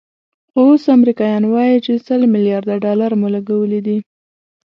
خو اوس امریکایان وایي چې سل ملیارده ډالر مو لګولي دي.